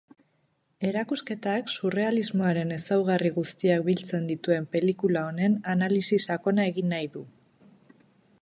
Erakusketak surrealismoaren ezaugarri guztiak biltzen dituen pelikula honen analisi sakona egin nahi du.